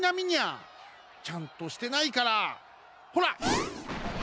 ちゃんとしてないからほら！